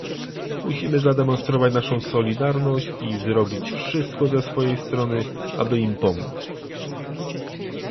Musimy zademonstrować naszą solidarność i zrobić wszystko ze swojej strony, aby im pomóc